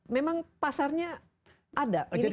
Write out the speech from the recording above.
memang pasarnya ada